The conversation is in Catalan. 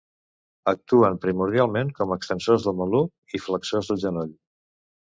Actuen primordialment com extensors del maluc i flexors del genoll.